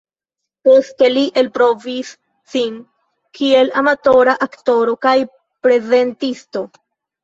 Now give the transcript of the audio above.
Poste li elprovis sin kiel amatora aktoro kaj prezentisto.